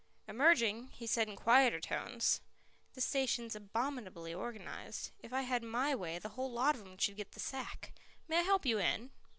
Emerging, he said in quieter tones: "This station's abominably organized; if I had my way, the whole lot of 'em should get the sack. May I help you in?"